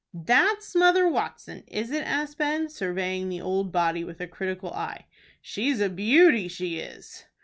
"That's Mother Watson, is it?" asked Ben, surveying the old body with a critical eye. "She's a beauty, she is!"